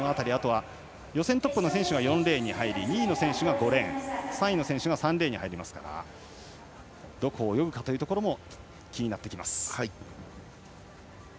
予選トップの選手は４レーンに入り２位の選手が５レーン３位の選手が３レーンなのでどこを泳ぐかというところも気になってきます。